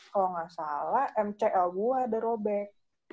kalau gak salah mcl gue screwed